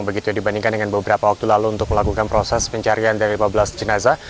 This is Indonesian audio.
begitu dibandingkan dengan beberapa waktu lalu untuk melakukan proses pencarian dari lima belas jenazah